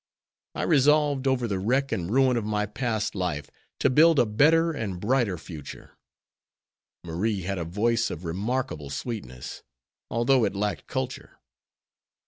I resolved, over the wreck and ruin of my past life, to build a better and brighter future. Marie had a voice of remarkable sweetness, although it lacked culture.